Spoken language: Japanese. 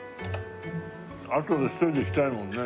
あとで一人で来たいもんね。